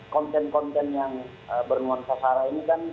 konten konten yang bernuansa sara ini kan